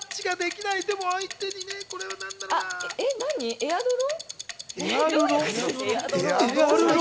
エアドロ？